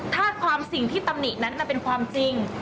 ถ้าความสิ่งที่ตำหนินั้นเป็นความจริง